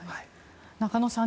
中野さん